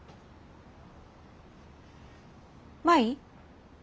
舞？